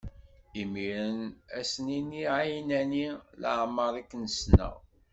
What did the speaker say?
Imiren, ad sen-iniɣ ɛinani: Leɛmeṛ i ken-ssneɣ!